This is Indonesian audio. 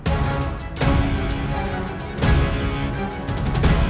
aku akan melakukan sesuatu